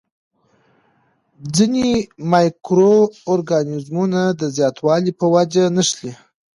ځینې مایکرو ارګانیزمونه د زیاتوالي په وجه نښلي.